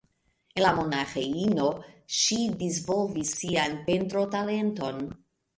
En la monaĥinejo ŝi disvolvis sian pentrotalenton.